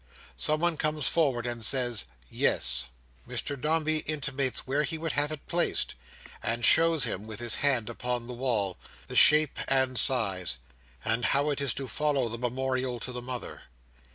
Someone comes forward, and says "Yes." Mr Dombey intimates where he would have it placed; and shows him, with his hand upon the wall, the shape and size; and how it is to follow the memorial to the mother.